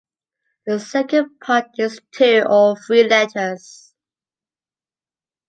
The second part is two or three letters.